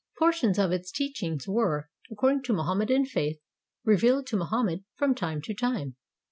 Portions of its teachings were, according to Mohammedan faith, revealed to Mohammed from time to time.